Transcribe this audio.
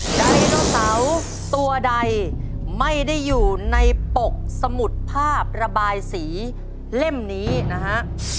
ไดโนเสาร์ตัวใดไม่ได้อยู่ในปกสมุดภาพระบายสีเล่มนี้นะฮะ